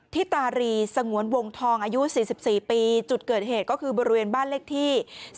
ที่ตารีสงวนวงทองอายุ๔๔ปีจุดเกิดเหตุก็คือบริเวณบ้านเลขที่